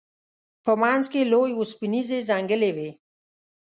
په منځ کې لوی اوسپنیزې جنګلې وې.